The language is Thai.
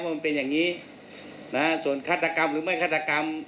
มันเป็นอย่างนี้นะฮะส่วนฆาตกรรมหรือไม่ฆาตกรรม